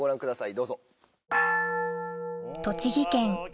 どうぞ。